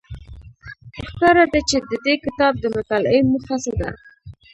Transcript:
ښکاره ده چې د دې کتاب د مطالعې موخه څه ده.